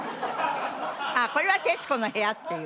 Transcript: ああこれは『徹子の部屋』っていう。